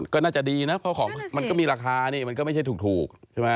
ก็น่าจะดีนะเพราะมันก็มีราคามันก็ไม่ใช่ถูก